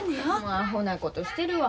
アホなことしてるわ。